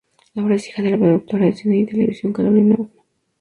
Laura es hija de la productora de cine y televisión Carolina Osma.